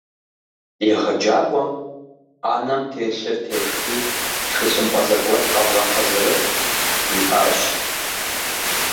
Егъэджакӏуэм «ӏэнэм телъыр тефхи, тхылъымпӏэ зэгуэт къэвгъэхьэзырыт» жиӏащ.